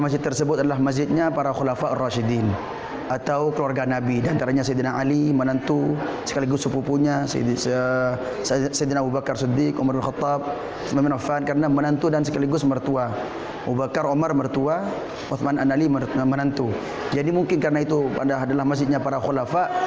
jadi mungkin karena itu adalah masjidnya para khulafah